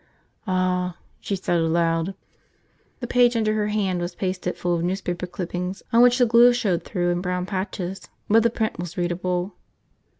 "Ah," she said aloud. The page under her hand was pasted full of newspaper clippings on which the glue showed through in brown patches. But the print was readable.